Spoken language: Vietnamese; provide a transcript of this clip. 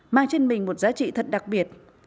mang trên mình một giá trị thật đặc biệt